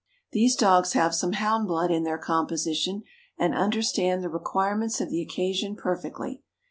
"These dogs have some hound blood in their composition, and understand the requirements of the occasion perfectly.